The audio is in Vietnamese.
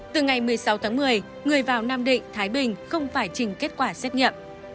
từ ngày một mươi sáu tháng một mươi người vào nam định thái bình không phải trình kết quả xét nghiệm